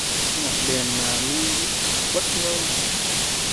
Ngọn đèn mà lu lít bất nhơn